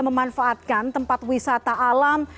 memanfaatkan tempat wisata alam